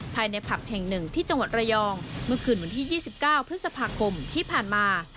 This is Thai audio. ภายในผับแห่งหนึ่งที่จังหวัดระยองเมื่อคืนวันที่๒๙พฤษภาคมที่ผ่านมา